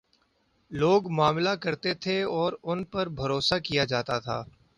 لوگ معاملہ کرتے تھے اور ان پر بھروسہ کیا جا تا تھا۔